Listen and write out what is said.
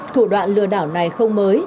thủ đoạn lừa đảo này không mờ